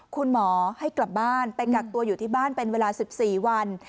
คุณหมอให้กลับบ้านไปกักตัวอยู่ที่บ้านเป็นเวลา๑๔วัน